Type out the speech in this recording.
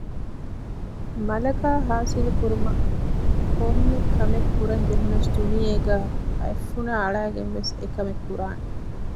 މަލަކާ ހާސިލް ކުރުމަށް ކޮންމެ ކަމެއް ކުރަން ޖެހުނަސް ދުނިޔޭގައި އަތް ފުނާ އަޅައިގެން ވެސް އެކަމެއް ކުރާނެ